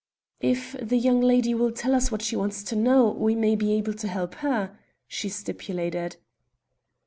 "If the young lady will tell us why she wants to know, we may be able to help her?" she stipulated.